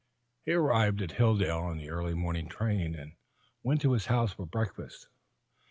He arrived at Hilldale on the early morning train and went to his house for breakfast.